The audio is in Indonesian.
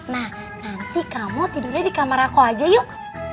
nah nanti kamu tidurnya di kamar aku aja yuk